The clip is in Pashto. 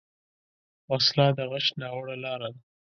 وسله د غچ ناوړه لاره ده